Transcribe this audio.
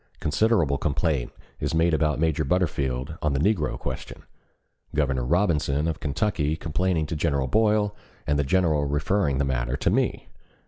Considerable complaint is made about Major Butterfield on the negro question; Governor Robinson of Kentucky complaining to General Boyle and the general referring the matter to me.